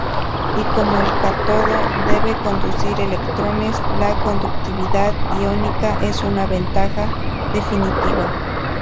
Y como el cátodo debe conducir electrones, la conductividad iónica es una ventaja definitiva.